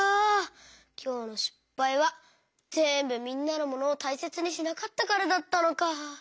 きょうのしっぱいはぜんぶみんなのモノをたいせつにしなかったからだったのか。